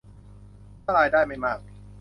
ถ้ารายได้ไม่มาก